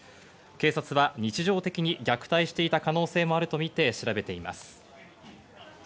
警察は日常的に虐待していた可能性もあるとみて調べています。